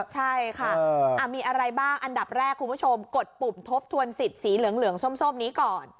ใช่ค่ะมีอะไรบ้างอันดับแรกคุณผู้ชมกดปุ่มทบทวนสิทธิ์สีเหลืองส้มนี้ก่อน